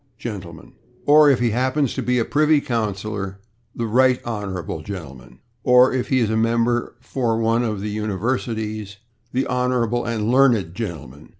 gentleman/) or, if he happens to be a privy councillor, "the /right honorable/ gentleman," or, if he is a member for one of the universities, "the /honorable and learned/ gentleman."